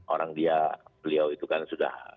orang dia beliau itu kan sudah